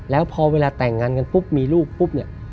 แล้วพอเวลาแต่งงานกันปุ๊บมีลูกปุ๊บเนี่ย